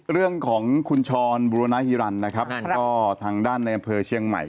เรื่องของคุณชรบุรณฮิรันนะครับก็ทางด้านในอำเภอเชียงใหม่